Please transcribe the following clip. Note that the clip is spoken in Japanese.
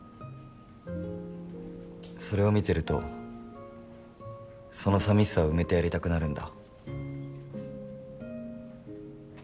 それを見てるとその寂しさを埋めてやりたくなるんだ。